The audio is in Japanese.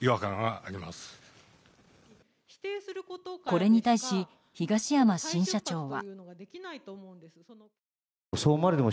これに対し、東山新社長は。